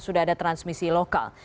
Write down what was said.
sudah ada transmisi lokal